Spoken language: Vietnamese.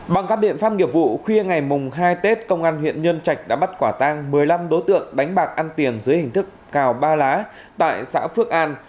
bằng các biện pháp nghiệp vụ khuya ngày hai tết công an huyện nhân trạch đã bắt quả tang một mươi năm đối tượng đánh bạc ăn tiền dưới hình thức cào ba lá tại xã phước an